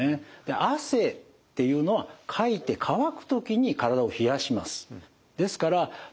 汗っていうのはかいて乾く時に体を冷やします。